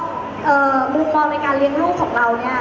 แล้วก็มุมองในการเรียงลูกของเราเนี้ย